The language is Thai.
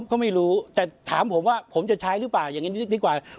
ก็ไม่รู้แต่ถามผมว่าผมจะใช้หรือเปล่าอย่างนี้ดีกว่า